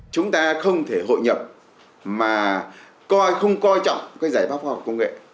chúng ta không thể hội nhập mà không coi trọng cái giải pháp khoa học công nghệ